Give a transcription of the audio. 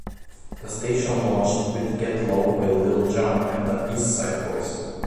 The station launched with "Get Low" by Lil Jon and the East Side Boyz.